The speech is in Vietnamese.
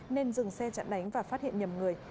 nên dừng xe chặn đánh và phát hiện nhầm người